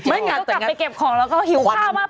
งั้นก็กลับไปเก็บของแล้วก็หิวข้าวมาก